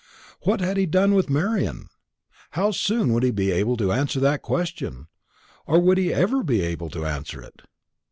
What had he done with Marian? How soon would he be able to answer that question? or would he ever be able to answer it?